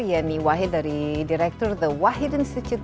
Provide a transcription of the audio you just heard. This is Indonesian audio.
yeni wahid dari direktur the wahid institute